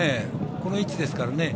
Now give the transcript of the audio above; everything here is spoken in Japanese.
この位置ですからね。